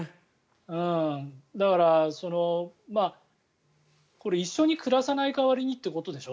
だから、これ一緒に暮らさない代わりにってことでしょ。